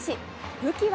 武器は。